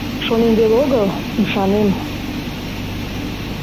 — Шонем веле огыл, ӱшанем.